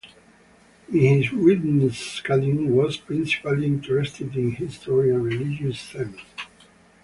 In his writings Scadding was principally interested in history and religious themes.